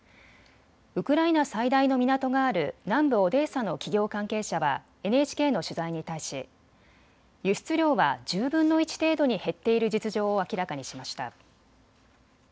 ウクライナ最大の港がある南部オデーサの企業関係者はＮＨＫの取材に対し輸出量は１０分の１程度に減っている実情を明らかにしました。